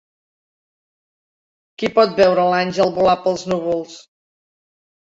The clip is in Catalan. Qui pot veure l'àngel volar pels núvols?